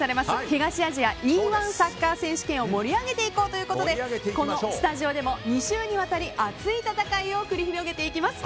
東アジアＥ‐１サッカー選手権を盛り上げていこうということでこのスタジオでも２週にわたり熱い戦いを繰り広げていきます。